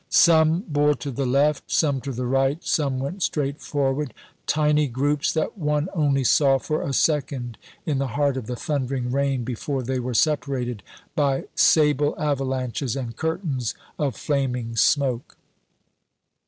Some bore to the left, some to the right, some went straight forward tiny groups that one only saw for a second in the heart of the thundering rain before they were separated by sable avalanches and curtains of flaming smoke.